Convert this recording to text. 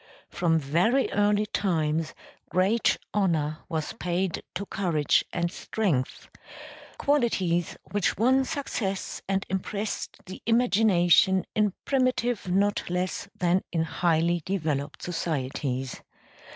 From very early times great honor was paid to courage and strength; qualities which won success and impressed the imagination in primitive not less than in highly developed societies.